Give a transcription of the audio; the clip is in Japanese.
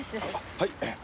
はい！